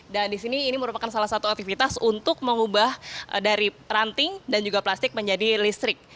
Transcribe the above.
dan disini ini merupakan salah satu aktivitas untuk mengubah dari ranting dan juga plastik menjadi listrik